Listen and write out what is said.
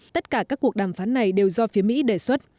tất cả các cuộc đàm phán này đều do phía mỹ đề xuất